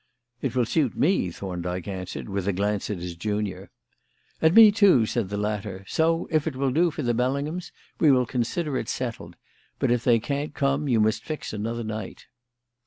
"It will suit me," Thorndyke answered, with a glance at his junior. "And me too," said the latter; "so, if it will do for the Bellinghams, we will consider it settled; but if they can't come you must fix another night."